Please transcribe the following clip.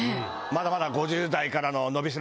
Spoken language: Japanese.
まだまだ５０代からの伸びし